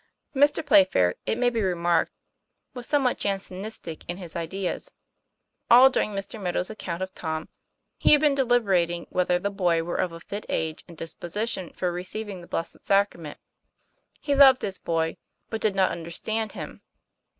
Mr. Playfair, it may be remarked, was somewhat Jansenistic in his ideas. All during Mr. Meadow's account of Tom, he had been deliberating whether the boy were of a fit age and disposition for receiv ing the Blessed Sacrament. He loved his boy, but did not understand him.